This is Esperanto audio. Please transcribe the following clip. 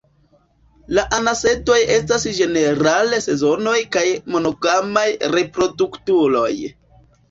La anasedoj estas ĝenerale sezonaj kaj monogamaj reproduktuloj.